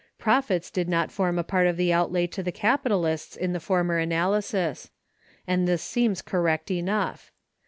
Profits did not form a part of the outlay to the capitalists in the former analysis. And this seems correct enough.